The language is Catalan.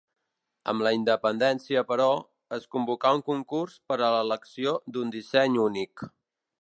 Amb la independència però, es convocà un concurs per a l'elecció d'un disseny únic.